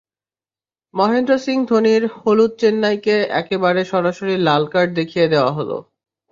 মহেন্দ্র সিং ধোনির হলুদ চেন্নাইকে একেবারে সরাসরি লাল কার্ড দেখিয়ে দেওয়া হলো।